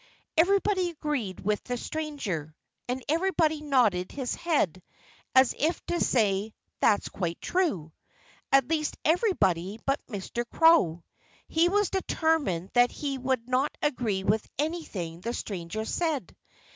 Everybody agreed with the stranger. And everybody nodded his head, as if to say, "That's quite true!" at least, everybody but Mr. Crow. He was determined that he would not agree with anything the stranger said.